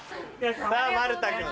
さぁ丸田君。